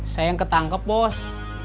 saya yang ketangkep bos